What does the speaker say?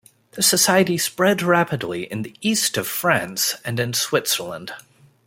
The society spread rapidly in the east of France and in Switzerland.